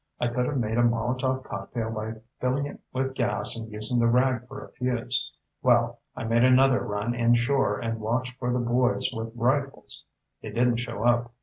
I could have made a Molotov cocktail by filling it with gas and using the rag for a fuse. Well, I made another run inshore and watched for the boys with rifles. They didn't show up.